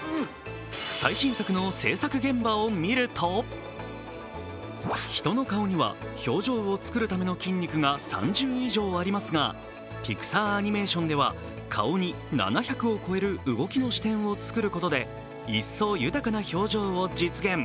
最新作の制作現場を見ると、人の顔には表情を作るための筋肉が３０以上ありますが、ピクサー・アニメーションでは顔に７００を超える動きの支点を作ることで一層豊かな表情を実現。